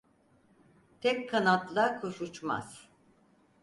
Tek kanatla kuş uçmaz.